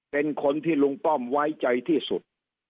เป็นคนที่ลุงป้อมไว้ใจที่สุด